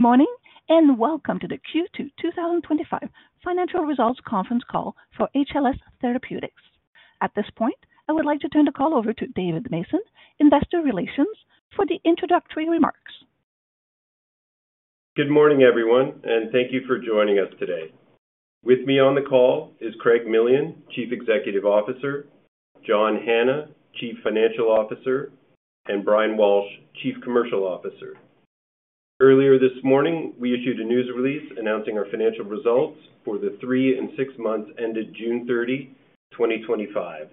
Morning and welcome to the Q2 2025 Financial Results Conference call for HLS Therapeutics. At this point, I would like to turn the call over to David Mason, Investor Relations, for the introductory remarks. Good morning, everyone, and thank you for joining us today. With me on the call is Craig Millian, Chief Executive Officer, John Hanna, Chief Financial Officer, and Brian Walsh, Chief Commercial Officer. Earlier this morning, we issued a news release announcing our financial results for the three and six months ended June 30, 2025.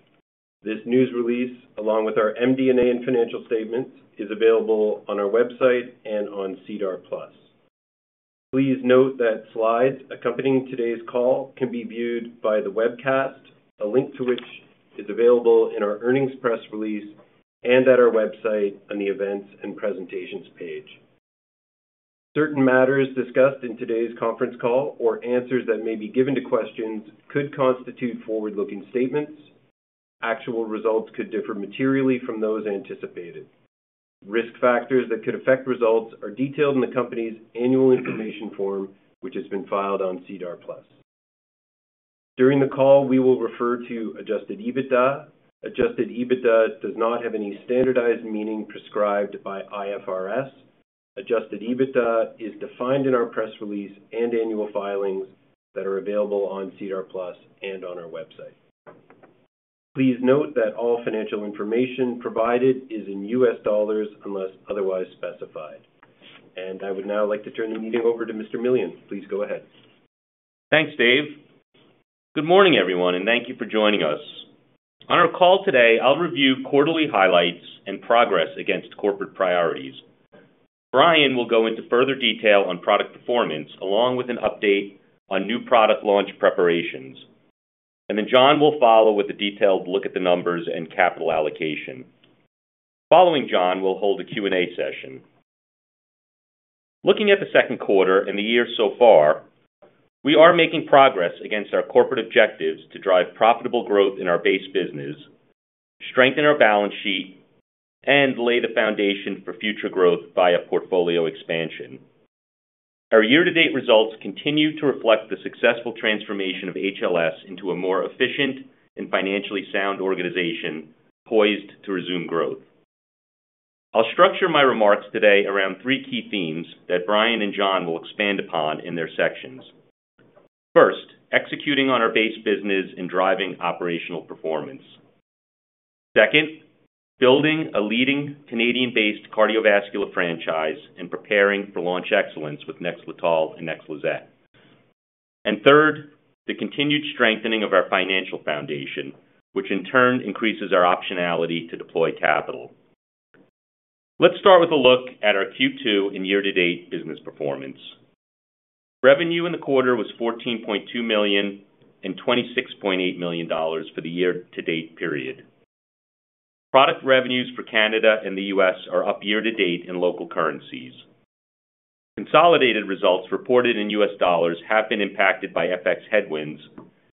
This news release, along with our MD&A and financial statements, is available on our website and on SEDAR+. Please note that slides accompanying today's call can be viewed by the webcast, a link to which is available in our earnings press release and at our website on the Events and Presentations page. Certain matters discussed in today's conference call or answers that may be given to questions could constitute forward-looking statements. Actual results could differ materially from those anticipated. Risk factors that could affect results are detailed in the company's annual information form, which has been filed on SEDAR+. During the call, we will refer to adjusted EBITDA. Adjusted EBITDA does not have any standardized meaning prescribed by IFRS. Adjusted EBITDA is defined in our press release and annual filings that are available on SEDAR+ and on our website. Please note that all financial information provided is in U.S. dollars unless otherwise specified. I would now like to turn the meeting over to Mr. Millian. Please go ahead. Thanks, Dave. Good morning, everyone, and thank you for joining us. On our call today, I'll review quarterly highlights and progress against corporate priorities. Brian will go into further detail on product performance, along with an update on new product launch preparations. John will follow with a detailed look at the numbers and capital allocation. Following John, we'll hold a Q&A session. Looking at the second quarter and the year so far, we are making progress against our corporate objectives to drive profitable growth in our base business, strengthen our balance sheet, and lay the foundation for future growth via portfolio expansion. Our year-to-date results continue to reflect the successful transformation of HLS into a more efficient and financially sound organization poised to resume growth. I'll structure my remarks today around three key themes that Brian and John will expand upon in their sections. First, executing on our base business and driving operational performance. Second, building a leading Canadian-based cardiovascular franchise and preparing for launch excellence with Nexletol and Nexlizet. Third, the continued strengthening of our financial foundation, which in turn increases our optionality to deploy capital. Let's start with a look at our Q2 and year-to-date business performance. Revenue in the quarter was $14.2 million and $26.8 million for the year-to-date period. Product revenues for Canada and the U.S. are up year-to-date in local currencies. Consolidated results reported in U.S. dollars have been impacted by FX headwinds,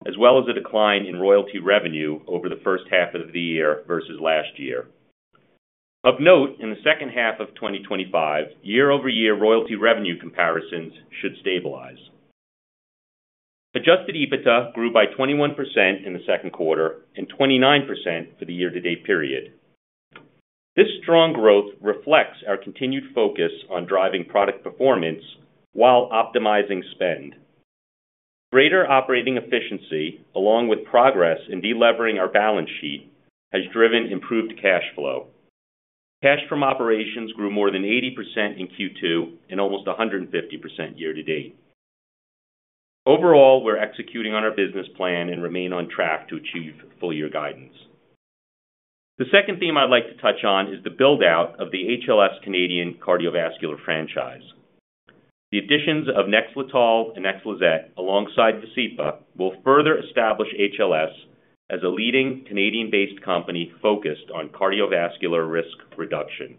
as well as a decline in royalty revenue over the first half of the year versus last year. Of note, in the second half of 2025, year-over-year royalty revenue comparisons should stabilize. Adjusted EBITDA grew by 21% in the second quarter and 29% for the year-to-date period. This strong growth reflects our continued focus on driving product performance while optimizing spend. Greater operating efficiency, along with progress in delevering our balance sheet, has driven improved cash flow. Cash from operations grew more than 80% in Q2 and almost 150% year-to-date. Overall, we're executing on our business plan and remain on track to achieve full-year guidance. The second theme I'd like to touch on is the build-out of the HLS Therapeutics Canadian cardiovascular franchise. The additions of Nexletol and Nexlizet, alongside Vascepa, will further establish HLS as a leading Canadian-based company focused on cardiovascular risk reduction.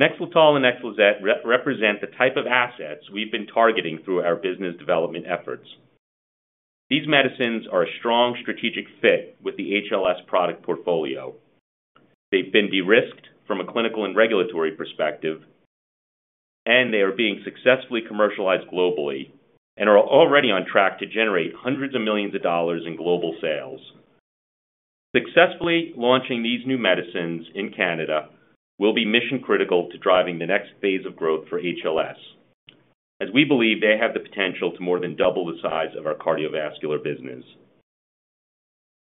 Nexletol and Nexlizet represent the type of assets we've been targeting through our business development efforts. These medicines are a strong strategic fit with the HLS product portfolio. They've been de-risked from a clinical and regulatory perspective, and they are being successfully commercialized globally and are already on track to generate hundreds of millions of dollars in global sales. Successfully launching these new medicines in Canada will be mission-critical to driving the next phase of growth for HLS, as we believe they have the potential to more than double the size of our cardiovascular business.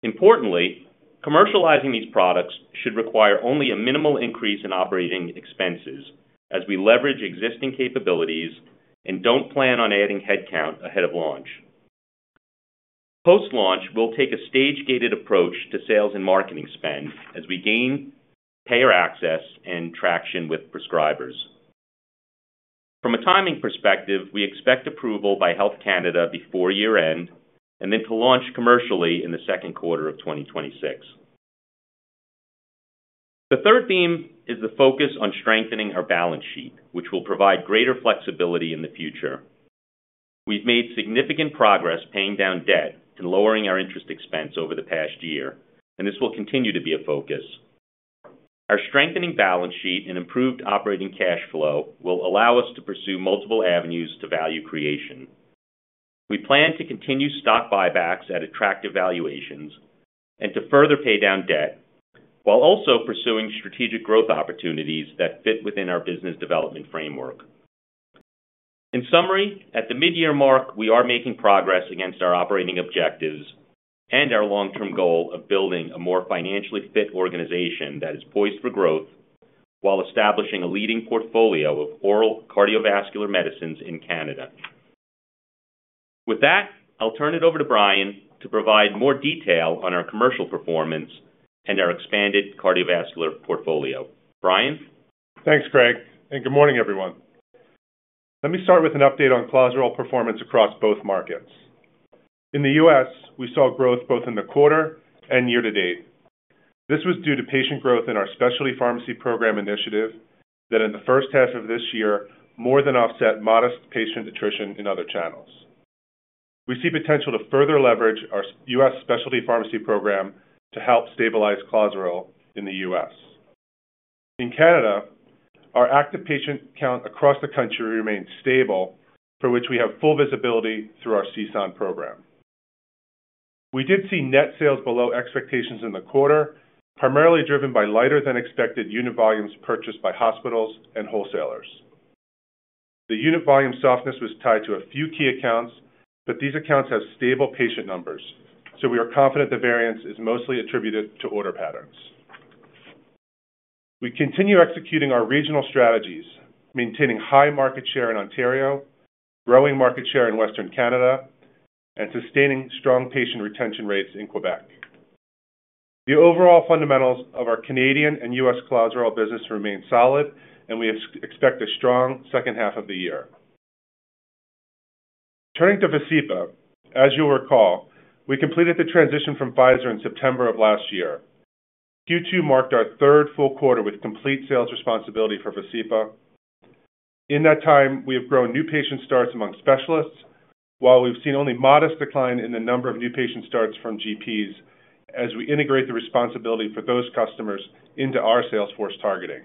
Importantly, commercializing these products should require only a minimal increase in operating expenses as we leverage existing capabilities and don't plan on adding headcount ahead of launch. Post-launch, we'll take a stage-gated approach to sales and marketing spend as we gain payer access and traction with prescribers. From a timing perspective, we expect approval by Health Canada before year-end and then to launch commercially in the second quarter of 2026. The third theme is the focus on strengthening our balance sheet, which will provide greater flexibility in the future. We've made significant progress paying down debt and lowering our interest expense over the past year, and this will continue to be a focus. Our strengthening balance sheet and improved operating cash flow will allow us to pursue multiple avenues to value creation. We plan to continue stock buybacks at attractive valuations and to further pay down debt while also pursuing strategic growth opportunities that fit within our business development framework. In summary, at the mid-year mark, we are making progress against our operating objectives and our long-term goal of building a more financially fit organization that is poised for growth while establishing a leading portfolio of oral cardiovascular medicines in Canada. With that, I'll turn it over to Brian to provide more detail on our commercial performance and our expanded cardiovascular portfolio. Brian? Thanks, Craig, and good morning, everyone. Let me start with an update on Clozaril performance across both markets. In the U.S., we saw growth both in the quarter and year to date. This was due to patient growth in our Specialty Pharmacy Program initiative that in the first half of this year more than offset modest patient attrition in other channels. We see potential to further leverage our U.S. Specialty Pharmacy Program to help stabilize Clozaril in the U.S. In Canada, our active patient count across the country remains stable, for which we have full visibility through our C SON Program. We did see net sales below expectations in the quarter, primarily driven by lighter than expected unit volumes purchased by hospitals and wholesalers. The unit volume softness was tied to a few key accounts, but these accounts have stable patient numbers, so we are confident the variance is mostly attributed to order patterns. We continue executing our regional strategies, maintaining high market share in Ontario, growing market share in Western Canada, and sustaining strong patient retention rates in Quebec. The overall fundamentals of our Canadian and U.S. Clozaril business remain solid, and we expect a strong second half of the year. Turning to Vascepa, as you'll recall, we completed the transition from Pfizer in September of last year. Q2 marked our third full quarter with complete sales responsibility for Vascepa. In that time, we have grown new patient starts among specialists, while we've seen only modest decline in the number of new patient starts from GPs as we integrate the responsibility for those customers into our salesforce targeting.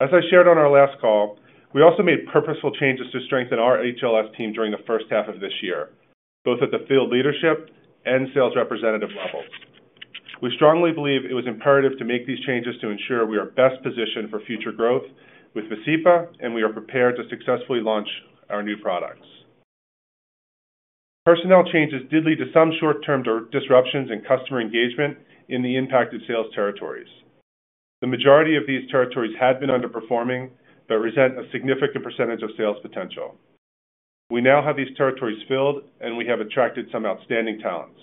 As I shared on our last call, we also made purposeful changes to strengthen our HLS team during the first half of this year, both at the field leadership and sales representative levels. We strongly believe it was imperative to make these changes to ensure we are best positioned for future growth with Vascepa, and we are prepared to successfully launch our new products. Personnel changes did lead to some short-term disruptions in customer engagement in the impacted sales territories. The majority of these territories had been underperforming but represent a significant percentage of sales potential. We now have these territories filled, and we have attracted some outstanding talents.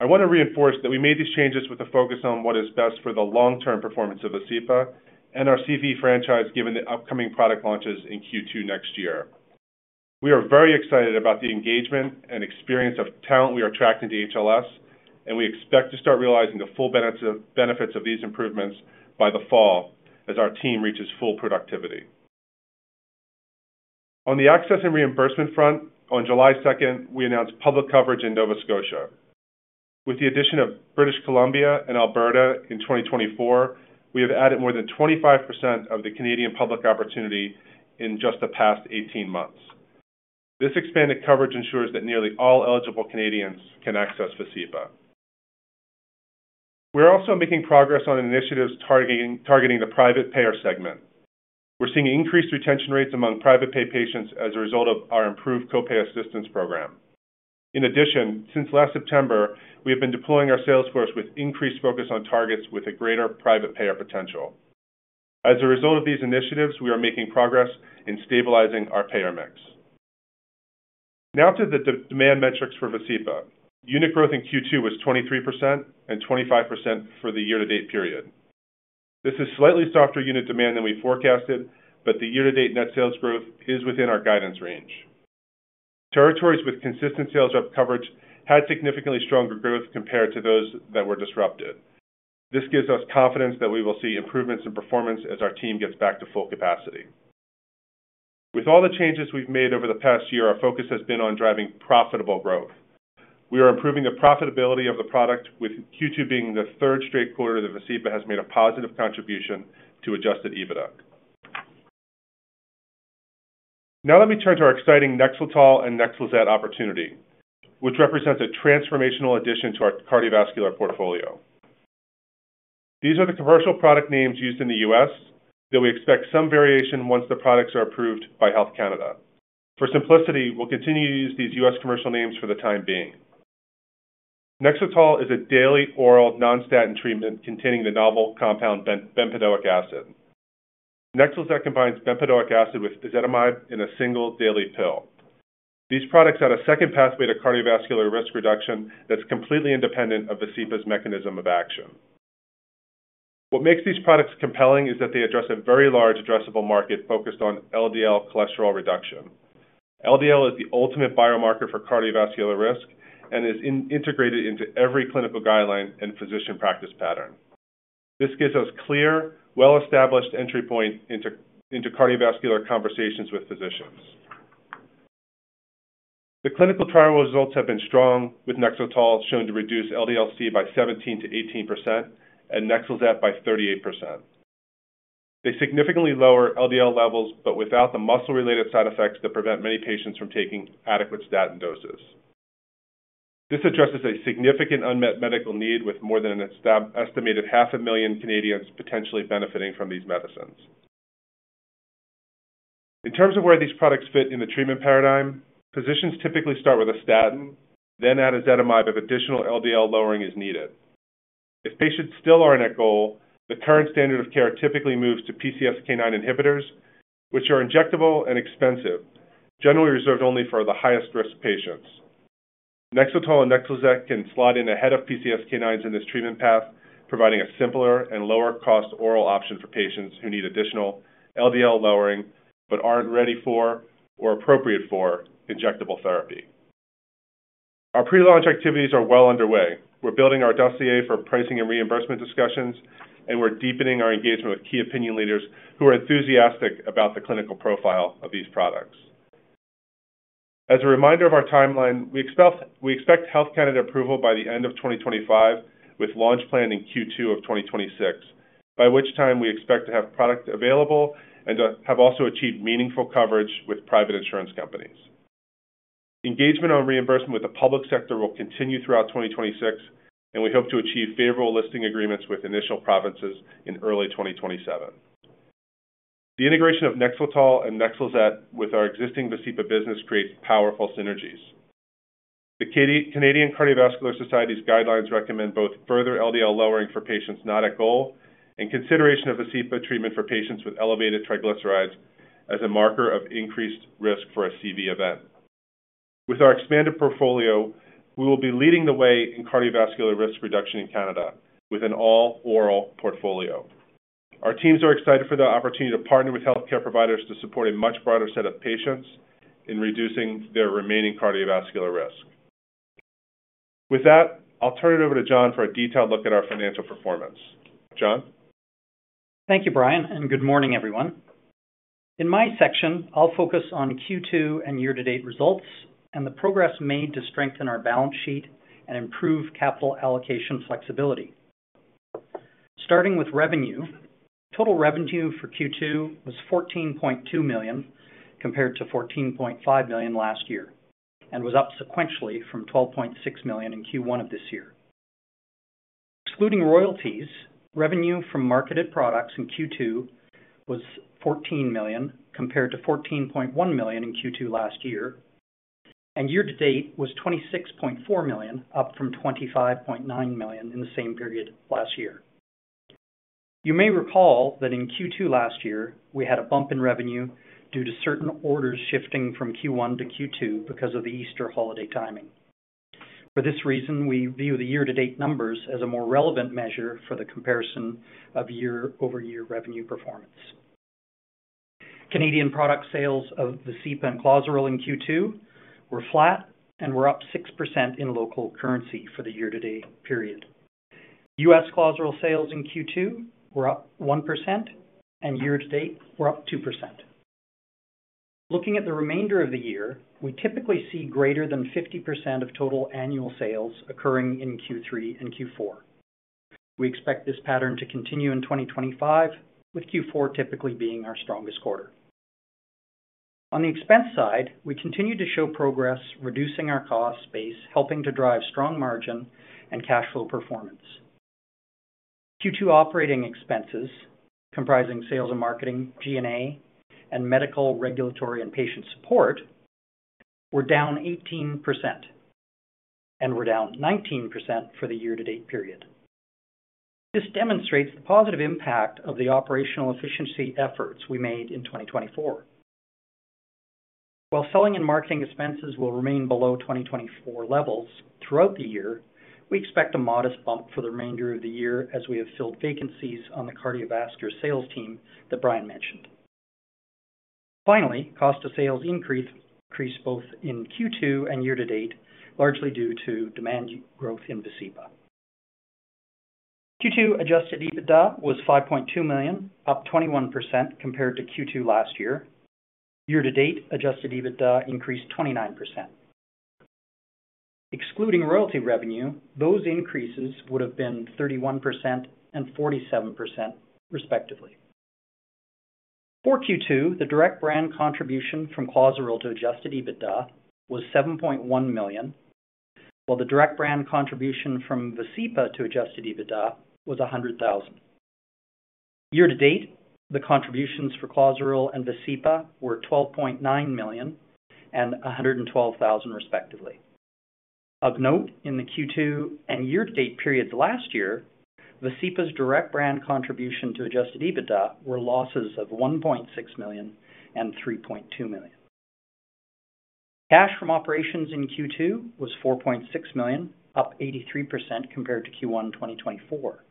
I want to reinforce that we made these changes with a focus on what is best for the long-term performance of Vascepa and our CV franchise, given the upcoming product launches in Q2 next year. We are very excited about the engagement and experience of talent we are attracting to HLS, and we expect to start realizing the full benefits of these improvements by the fall as our team reaches full productivity. On the access and reimbursement front, on July 2, we announced public coverage in Nova Scotia. With the addition of British Columbia and Alberta in 2024, we have added more than 25% of the Canadian public opportunity in just the past 18 months. This expanded coverage ensures that nearly all eligible Canadians can access Vascepa. We are also making progress on initiatives targeting the private payer segment. We're seeing increased retention rates among private pay patients as a result of our improved co-pay assistance program. In addition, since last September, we have been deploying our salesforce with increased focus on targets with a greater private payer potential. As a result of these initiatives, we are making progress in stabilizing our payer mix. Now to the demand metrics for Vascepa. Unit growth in Q2 was 23% and 25% for the year-to-date period. This is slightly softer unit demand than we forecasted, but the year-to-date net sales growth is within our guidance range. Territories with consistent sales coverage had significantly stronger growth compared to those that were disrupted. This gives us confidence that we will see improvements in performance as our team gets back to full capacity. With all the changes we've made over the past year, our focus has been on driving profitable growth. We are improving the profitability of the product, with Q2 being the third straight quarter that Vascepa has made a positive contribution to adjusted EBITDA. Now let me turn to our exciting Nexletol and Nexlizet opportunity, which represents a transformational addition to our cardiovascular portfolio. These are the commercial product names used in the U.S., though we expect some variation once the products are approved by Health Canada. For simplicity, we'll continue to use these U.S. commercial names for the time being. Nexletol is a daily oral non-statin treatment containing the novel compound bempedoic acid. Nexlizet combines bempedoic acid with ezetimibe in a single daily pill. These products add a second pathway to cardiovascular risk reduction that's completely independent of Vascepa's mechanism of action. What makes these products compelling is that they address a very large addressable market focused on LDL cholesterol reduction. LDL is the ultimate biomarker for cardiovascular risk and is integrated into every clinical guideline and physician practice pattern. This gives us a clear, well-established entry point into cardiovascular conversations with physicians. The clinical trial results have been strong, with Nexletol shown to reduce LDL-C by 17%-18% and Nexlizet by 38%. They significantly lower LDL levels, but without the muscle-related side effects that prevent many patients from taking adequate statin doses. This addresses a significant unmet medical need, with more than an estimated half a million Canadians potentially benefiting from these medicines. In terms of where these products fit in the treatment paradigm, physicians typically start with a statin, then add ezetimibe if additional LDL lowering is needed. If patients still are not at goal, the current standard of care typically moves to PCSK9 inhibitors, which are injectable and expensive, generally reserved only for the highest risk patients. Nexletol and Nexlizet can slot in ahead of PCSK9s in this treatment path, providing a simpler and lower-cost oral option for patients who need additional LDL lowering but aren't ready for or appropriate for injectable therapy. Our pre-launch activities are well underway. We're building our dossier for pricing and reimbursement discussions, and we're deepening our engagement with key opinion leaders who are enthusiastic about the clinical profile of these products. As a reminder of our timeline, we expect Health Canada approval by the end of 2025, with launch planned in Q2 of 2026, by which time we expect to have product available and have also achieved meaningful coverage with private insurance companies. Engagement on reimbursement with the public sector will continue throughout 2026, and we hope to achieve favorable listing agreements with initial provinces in early 2027. The integration of Nexletol and Nexlizet with our existing Vascepa business creates powerful synergies. The Canadian Cardiovascular Society's guidelines recommend both further LDL lowering for patients not at goal and consideration of Vascepa treatment for patients with elevated triglycerides as a marker of increased risk for a CV event. With our expanded portfolio, we will be leading the way in cardiovascular risk reduction in Canada with an all-oral portfolio. Our teams are excited for the opportunity to partner with healthcare providers to support a much broader set of patients in reducing their remaining cardiovascular risk. With that, I'll turn it over to John for a detailed look at our financial performance. John? Thank you, Brian, and good morning, everyone. In my section, I'll focus on Q2 and year-to-date results and the progress made to strengthen our balance sheet and improve capital allocation flexibility. Starting with revenue, total revenue for Q2 was $14.2 million compared to $14.5 million last year and was up sequentially from $12.6 million in Q1 of this year. Excluding royalties, revenue from marketed products in Q2 was $14 million compared to $14.1 million in Q2 last year, and year-to-date was $26.4 million, up from $25.9 million in the same period last year. You may recall that in Q2 last year, we had a bump in revenue due to certain orders shifting from Q1 to Q2 because of the Easter holiday timing. For this reason, we view the year-to-date numbers as a more relevant measure for the comparison of year-over-year revenue performance. Canadian product sales of Vascepa and Clozaril in Q2 were flat and were up 6% in local currency for the year-to-date period. U.S. Clozaril sales in Q2 were up 1% and year-to-date were up 2%. Looking at the remainder of the year, we typically see greater than 50% of total annual sales occurring in Q3 and Q4. We expect this pattern to continue in 2025, with Q4 typically being our strongest quarter. On the expense side, we continue to show progress reducing our cost base, helping to drive strong margin and cash flow performance. Q2 operating expenses, comprising sales and marketing, G&A, and medical regulatory and patient support, were down 18% and were down 19% for the year-to-date period. This demonstrates the positive impact of the operational efficiency efforts we made in 2024. While selling and marketing expenses will remain below 2024 levels throughout the year, we expect a modest bump for the remainder of the year as we have filled vacancies on the cardiovascular sales team that Brian mentioned. Finally, cost of sales increased both in Q2 and year-to-date, largely due to demand growth in Vascepa. Q2 adjusted EBITDA was $5.2 million, up 21% compared to Q2 last year. Year-to-date adjusted EBITDA increased 29%. Excluding royalty revenue, those increases would have been 31% and 47%, respectively. For Q2, the direct brand contribution from Clozaril to adjusted EBITDA was $7.1 million, while the direct brand contribution from Vascepa to adjusted EBITDA was $100,000. Year-to-date, the contributions for Clozaril and Vascepa were $12.9 million and $112,000, respectively. Of note, in the Q2 and year-to-date periods last year, Vascepa's direct brand contribution to adjusted EBITDA were losses of $1.6 million and $3.2 million. Cash from operations in Q2 was $4.6 million, up 83% compared to Q1 2024.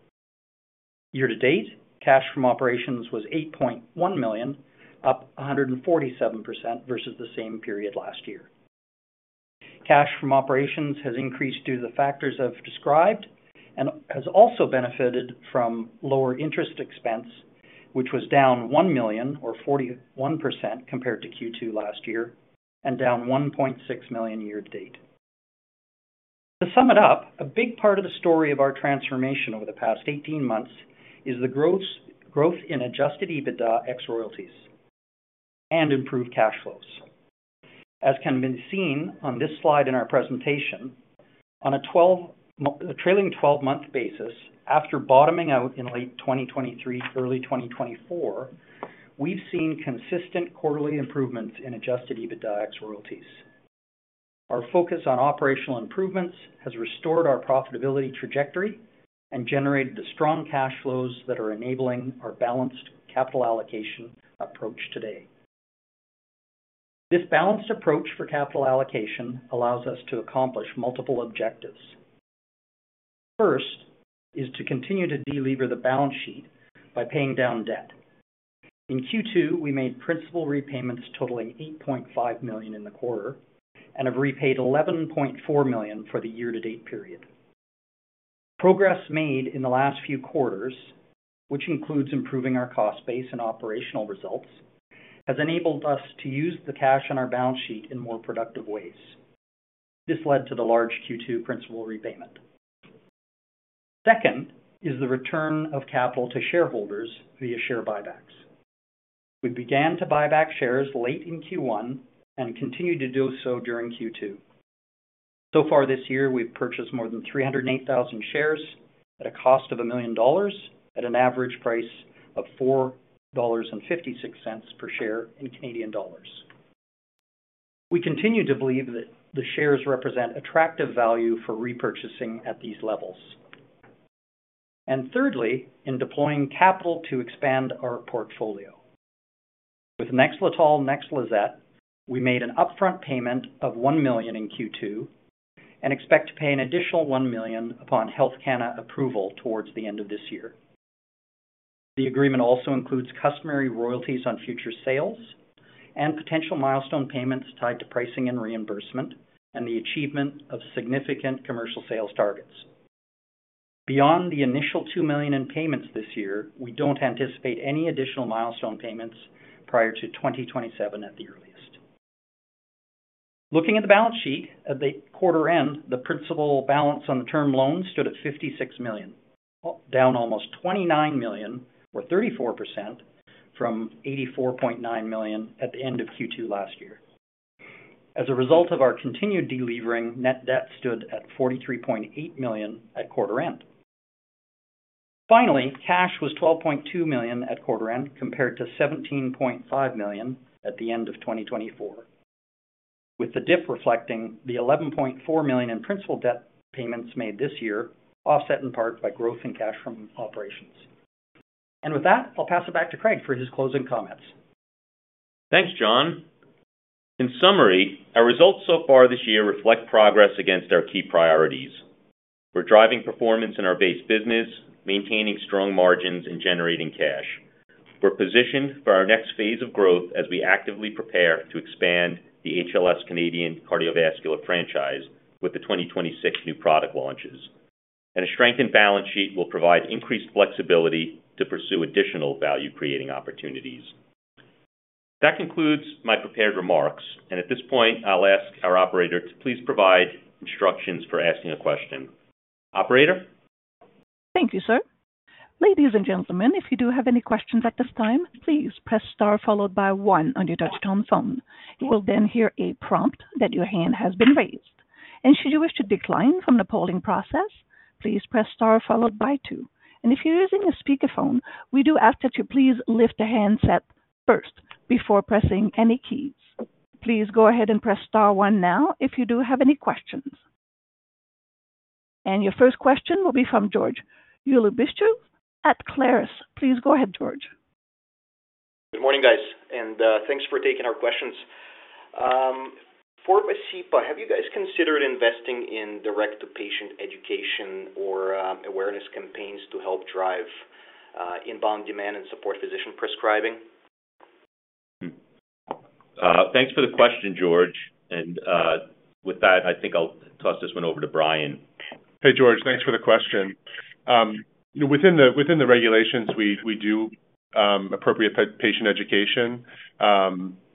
Year-to-date, cash from operations was $8.1 million, up 147% versus the same period last year. Cash from operations has increased due to the factors I've described and has also benefited from lower interest expense, which was down $1 million, or 41% compared to Q2 last year, and down $1.6 million year-to-date. To sum it up, a big part of the story of our transformation over the past 18 months is the growth in adjusted EBITDA ex royalties and improved cash flows. As can be seen on this slide in our presentation, on a trailing 12-month basis, after bottoming out in late 2023, early 2024, we've seen consistent quarterly improvements in adjusted EBITDA ex royalties. Our focus on operational improvements has restored our profitability trajectory and generated the strong cash flows that are enabling our balanced capital allocation approach today. This balanced approach for capital allocation allows us to accomplish multiple objectives. First is to continue to delever the balance sheet by paying down debt. In Q2, we made principal repayments totaling $8.5 million in the quarter and have repaid $11.4 million for the year-to-date period. Progress made in the last few quarters, which includes improving our cost base and operational results, has enabled us to use the cash on our balance sheet in more productive ways. This led to the large Q2 principal repayment. Second is the return of capital to shareholders via share buybacks. We began to buy back shares late in Q1 and continue to do so during Q2. So far this year, we've purchased more than 308,000 shares at a cost of $1 million at an average price of 4.56 dollars per share in Canadian dollars. We continue to believe that the shares represent attractive value for repurchasing at these levels. Thirdly, in deploying capital to expand our portfolio. With Nexletol and Nexlizet, we made an upfront payment of $1 million in Q2 and expect to pay an additional $1 million upon Health Canada approval towards the end of this year. The agreement also includes customary royalties on future sales and potential milestone payments tied to pricing and reimbursement and the achievement of significant commercial sales targets. Beyond the initial $2 million in payments this year, we don't anticipate any additional milestone payments prior to 2027 at the earliest. Looking at the balance sheet at the quarter end, the principal balance on the term loan stood at $56 million, down almost $29 million, or 34% from $84.9 million at the end of Q2 last year. As a result of our continued deleveraging, net debt stood at $43.8 million at quarter end. Finally, cash was $12.2 million at quarter end compared to $17.5 million at the end of 2024, with the difference reflecting the $11.4 million in principal debt payments made this year, offset in part by growth in cash from operations. I'll pass it back to Craig for his closing comments. Thanks, John. In summary, our results so far this year reflect progress against our key priorities. We're driving performance in our base business, maintaining strong margins, and generating cash. We're positioned for our next phase of growth as we actively prepare to expand the HLS Canadian Cardiovascular franchise with the 2026 new product launches. A strengthened balance sheet will provide increased flexibility to pursue additional value-creating opportunities. That concludes my prepared remarks, and at this point, I'll ask our operator to please provide instructions for asking a question. Operator? Thank you, sir. Ladies and gentlemen, if you do have any questions at this time, please press star followed by one on your touch-tone phone. You will then hear a prompt that your hand has been raised. Should you wish to decline from the polling process, please press star followed by two. If you're using a speakerphone, we do ask that you please lift the handset first before pressing any keys. Please go ahead and press star one now if you do have any questions. Your first question will be from George Ulybyshev at Clarus. Please go ahead, George. Good morning, guys, and thanks for taking our questions. For Vascepa, have you guys considered investing in direct-to-patient education or awareness campaigns to help drive inbound demand and support physician prescribing? Thanks for the question, George. I think I'll toss this one over to Brian. Hey, George, thanks for the question. Within the regulations, we do appropriate patient education,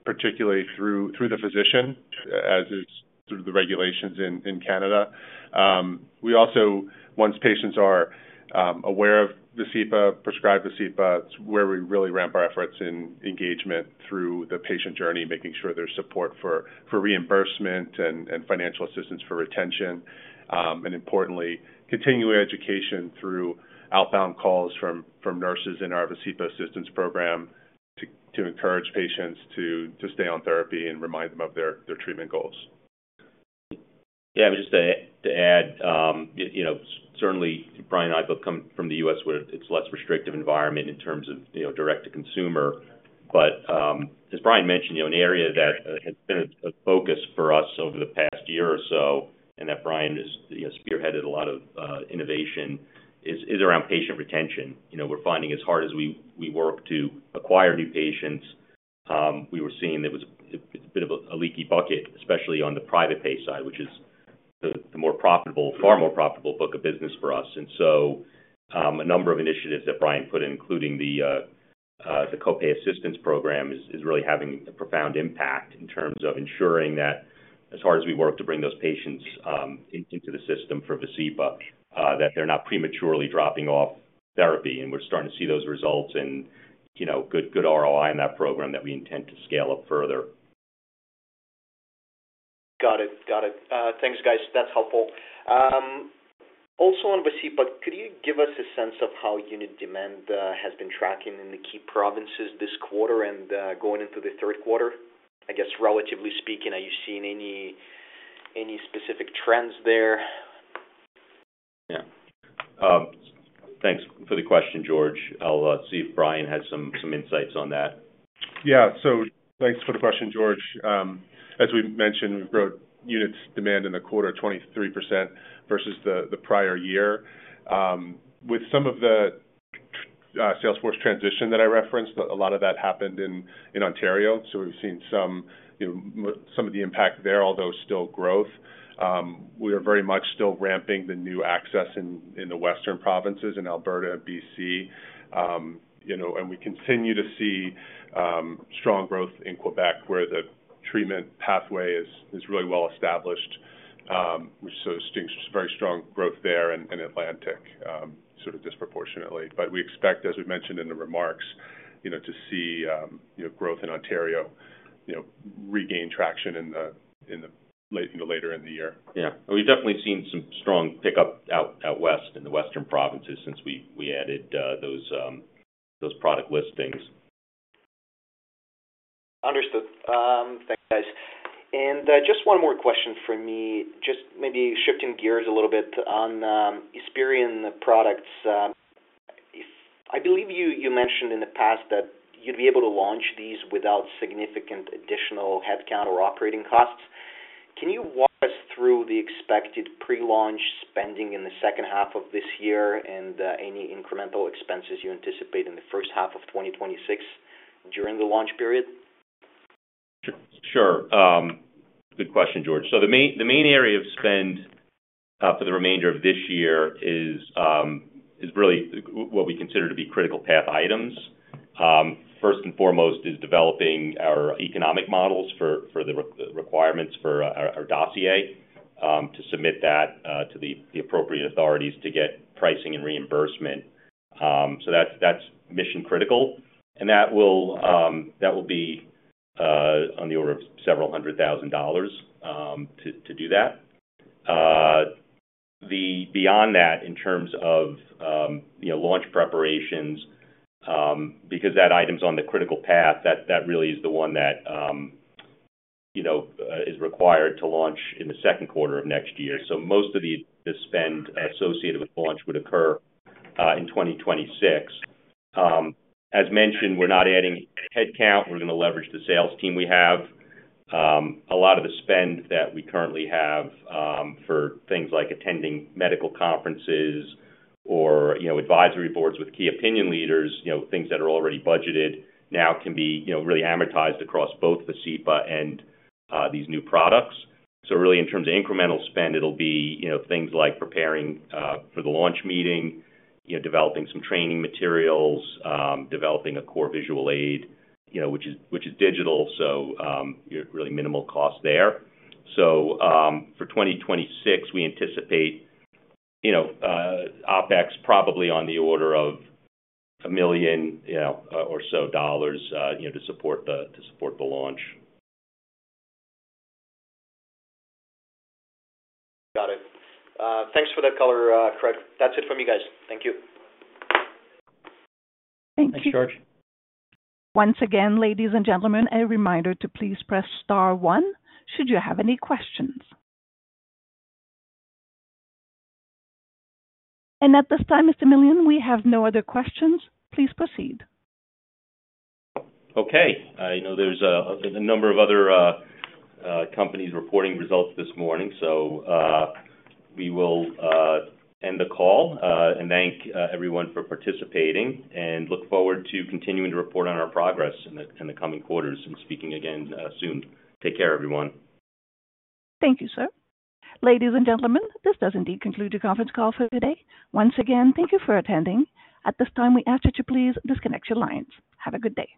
particularly through the physician, as is through the regulations in Canada. We also, once patients are aware of Vascepa, prescribe Vascepa, where we really ramp our efforts in engagement through the patient journey, making sure there's support for reimbursement and financial assistance for retention. Importantly, continuing education through outbound calls from nurses in our Vascepa assistance program encourages patients to stay on therapy and reminds them of their treatment goals. Yeah, I was just to add, you know, certainly Brian and I both come from the U.S. where it's a less restrictive environment in terms of direct-to-consumer. As Brian mentioned, the only area that has been a focus for us over the past year or so, and that Brian has spearheaded a lot of innovation, is around patient retention. We're finding as hard as we work to acquire new patients, we were seeing that it was a bit of a leaky bucket, especially on the private pay side, which is the more profitable, far more profitable book of business for us. A number of initiatives that Brian put in, including the co-pay assistance program, is really having a profound impact in terms of ensuring that as hard as we work to bring those patients into the system for Vascepa, they're not prematurely dropping off therapy. We're starting to see those results and, you know, good ROI in that program that we intend to scale up further. Got it, got it. Thanks, guys, that's helpful. Also on Vascepa, could you give us a sense of how unit demand has been tracking in the key provinces this quarter and going into the third quarter? I guess, relatively speaking, are you seeing any specific trends there? Yeah, thanks for the question, George. I'll see if Brian had some insights on that. Yeah, so thanks for the question, George. As we mentioned, we've grown units demand in the quarter, 23% versus the prior year. With some of the Salesforce transition that I referenced, a lot of that happened in Ontario, so we've seen some of the impact there, although still growth. We are very much still ramping the new access in the western provinces in Alberta, B.C. You know, and we continue to see strong growth in Quebec, where the treatment pathway is really well established. We've seen very strong growth there in Atlantic, sort of disproportionately. We expect, as we mentioned in the remarks, you know, to see growth in Ontario, you know, regain traction later in the year. Yeah, we've definitely seen some strong pickup out west in the western provinces since we added those product listings. Understood. Thanks, guys. Just one more question from me, maybe shifting gears a little bit on Esperion products. I believe you mentioned in the past that you'd be able to launch these without significant additional headcount or operating costs. Can you walk us through the expected pre-launch spending in the second half of this year and any incremental expenses you anticipate in the first half of 2026 during the launch period? Sure, good question, George. The main area of spend for the remainder of this year is really what we consider to be critical path items. First and foremost is developing our economic models for the requirements for our dossier to submit that to the appropriate authorities to get pricing and reimbursement. That's mission-critical. That will be on the order of several hundred thousand dollars to do that. Beyond that, in terms of launch preparations, because that item's on the critical path, that really is the one that is required to launch in the second quarter of next year. Most of the spend associated with launch would occur in 2026. As mentioned, we're not adding headcount. We're going to leverage the sales team we have. A lot of the spend that we currently have for things like attending medical conferences or advisory boards with key opinion leaders, things that are already budgeted, now can be really amortized across both Vascepa and these new products. In terms of incremental spend, it'll be things like preparing for the launch meeting, developing some training materials, developing a core visual aid, which is digital. Really minimal cost there. For 2026, we anticipate OpEx probably on the order of $1 million or so to support the launch. Got it. Thanks for the color, Craig. That's it from you guys. Thank you. Thank you. Thanks, George. Once again, ladies and gentlemen, a reminder to please press star one should you have any questions. At this time, Mr. Millian, we have no other questions. Please proceed. Okay. You know, there's a number of other companies reporting results this morning, so we will end the call and thank everyone for participating and look forward to continuing to report on our progress in the coming quarters and speaking again soon. Take care, everyone. Thank you, sir. Ladies and gentlemen, this does indeed conclude the conference call for today. Once again, thank you for attending. At this time, we ask that you please disconnect your lines. Have a good day.